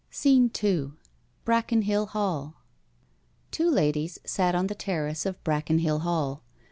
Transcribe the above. SCENE II BRACKENHILL HALL Two ladies sat on the terrace of Brackenhill Hall.